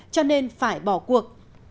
cho nên phải bỏ cuộc